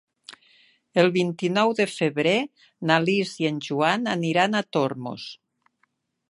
El vint-i-nou de febrer na Lis i en Joan aniran a Tormos.